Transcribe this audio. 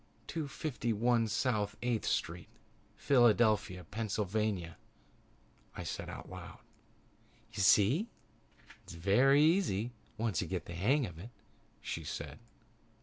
"Two fifty one South Eighth Street, Philadelphia, Pennsylvania," I said aloud. "You see, it's very easy once you get the hang of it," she said.